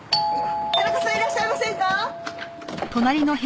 田中さんいらっしゃいませんか？